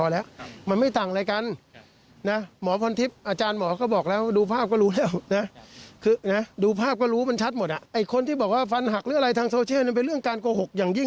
ลับผิดชอบต่อสหงคมอย่างไร